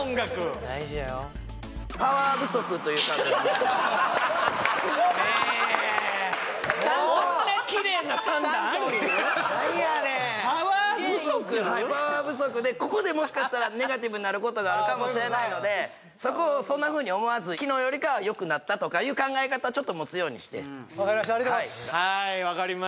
はいパワー不足でここでもしかしたらネガティブになることがあるかもしれないのでそこをそんなふうに思わず昨日よりかはよくなったとかいう考え方ちょっと持つようにしてわかりました